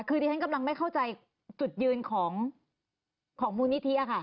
คือดิฉันกำลังไม่เข้าใจจุดยืนของมูลนิธิค่ะ